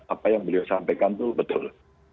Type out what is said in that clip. apa yang beliau sampaikan itu betul